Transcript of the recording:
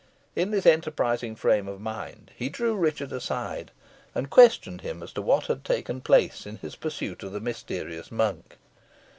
In this enterprising frame of mind he drew Richard aside, and questioned him as to what had taken place in his pursuit of the mysterious monk.